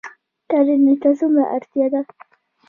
کرنې ته څومره اړتیا ده؟